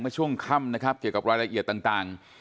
ช่วงค่ำนะครับเกี่ยวกับรายละเอียดต่าง